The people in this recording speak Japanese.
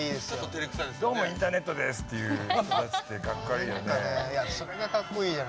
「どうもインターネットです！」って言う人たちってかっこ悪いよね。